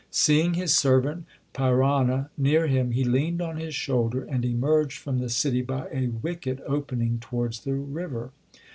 Seeing his servant Pirana near him he leaned on his shoulder, and emerged from the city by a wicket opening towards the river.